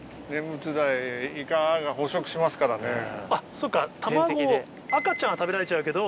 あっそっか卵赤ちゃんは食べられちゃうけど。